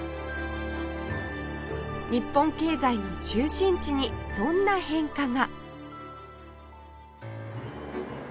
日本経済の中心地にどんな変化が？